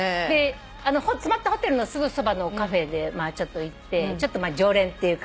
泊まったホテルのすぐそばのカフェ行ってちょっとまあ常連っていうか。